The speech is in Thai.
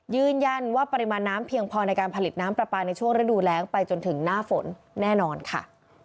ยืนยันว่าปริมาณน้ำเพียงพอในการผลิตน้ำปลาปลาในช่วงฤดูแรงไปจนถึงหน้าฝนแน่นอนค่ะ